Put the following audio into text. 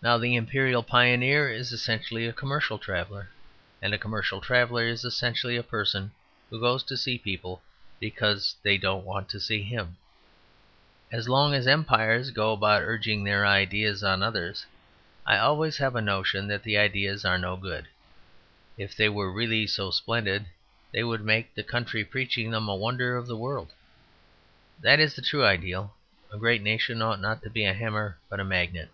Now, the Imperial Pioneer is essentially a commercial traveller; and a commercial traveller is essentially a person who goes to see people because they don't want to see him. As long as empires go about urging their ideas on others, I always have a notion that the ideas are no good. If they were really so splendid, they would make the country preaching them a wonder of the world. That is the true ideal; a great nation ought not to be a hammer, but a magnet.